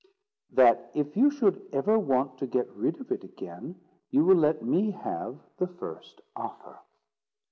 "That if you should ever want to get rid of it again, you will let me have the first offer."